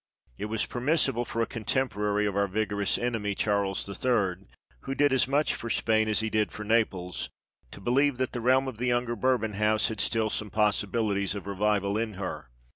It was permissible for a contemporary of our vigorous enemy, Charles III. who did as much for Spain as he did for Naples to believe that the realm of the younger Bourbon house had still some possibilities of revival in her.